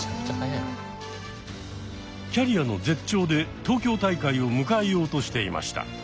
キャリアの絶頂で東京大会を迎えようとしていました。